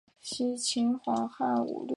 霍普留下许多名言。